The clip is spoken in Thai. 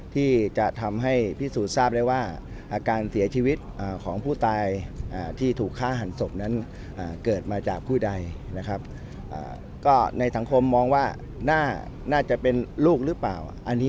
ที่จะทำให้พิสูจน์ทราบได้ว่าการเสียชีวิตของผู้ตายที่ถูกฆาหันศพนั้นเกิดมาจากผู้ใดนะครับ